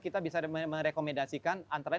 kita bisa merekomendasikan antara